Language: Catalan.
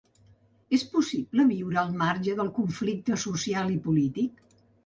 És possible viure al marge del conflicte social i polític?